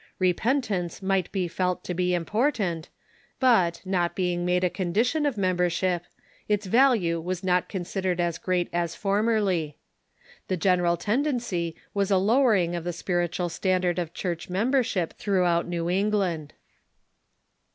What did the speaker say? Re pentance might be felt to be important, but, not being made a condition of membership, its value was not considered as great as formerly. The general tendency was a lowering of the spiritual standard of Church membership throughout New England.